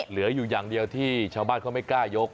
เหลืออยู่อย่างเดียวที่ชาวบ้านเขาไม่กล้ายก